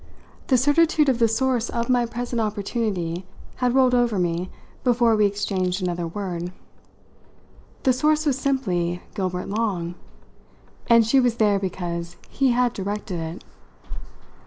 The certitude of the source of my present opportunity had rolled over me before we exchanged another word. The source was simply Gilbert Long, and she was there because he had directed it.